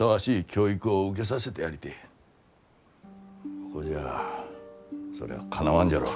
ここじゃあそりゃあかなわんじゃろう。